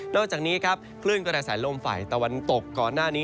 อกจากนี้ครับคลื่นกระแสลมฝ่ายตะวันตกก่อนหน้านี้